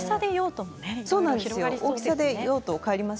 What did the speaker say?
大きさで用途も変わります。